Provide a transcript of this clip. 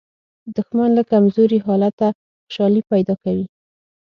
دښمن له کمزوري حالته خوشالي پیدا کوي